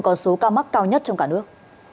có số ca mắc cao nhất trong cả nước